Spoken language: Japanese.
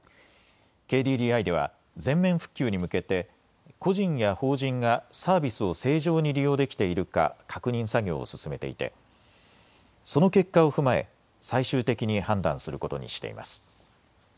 ＫＤＤＩでは全面復旧に向けて個人や法人がサービスを正常に利用できているか確認作業を進めていてその結果を踏まえ最終的に判断することにしています。